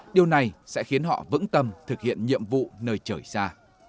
điều này sẽ khiến họ vững tâm thực hiện nhiệm vụ nơi trời xa